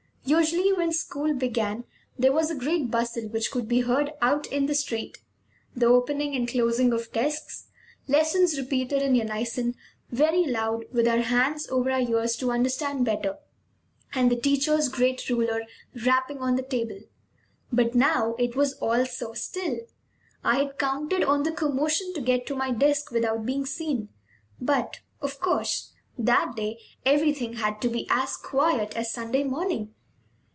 Usually, when school began, there was a great bustle, which could be heard out in the street, the opening and closing of desks, lessons repeated in unison, very loud, with our hands over our ears to understand better, and the teacher's great ruler rapping on the table. But now it was all so still! I had counted on the commotion to get to my desk without being seen; but, of course, that day everything had to be as quiet as Sunday morning.